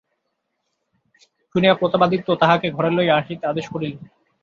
শুনিয়া প্রতাপাদিত্য তাহাকে ঘরে লইয়া আসিতে আদেশ করিলেন।